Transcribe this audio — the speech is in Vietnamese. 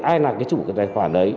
ai là cái chủ cái tài khoản đấy